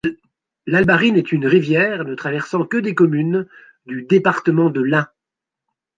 L'Albarine est une rivière ne traversant que des communes du département de l'Ain.